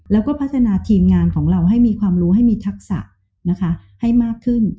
แล้วก็พัฒนาทีมงานของเราให้มีความรู้ให้มีทักษะนะคะให้มากขึ้น